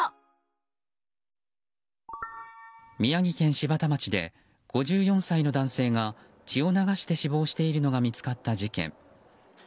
宮城県柴田町で５４歳の男性が血を流して死亡しているのが見つかった事件。